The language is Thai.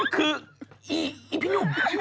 คืออีพี่หนุ่ม